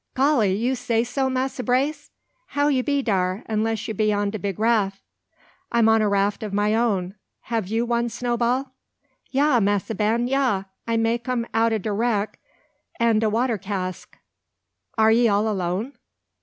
"Golly! you say so, Massa Brace! How you be dar, unless you on de big raff?" "I'm on a raft of my own. Have you one, Snowball?" "Ya, massa Ben, ya! I make um out o' de wreck an de water cask." "Are ye all alone?"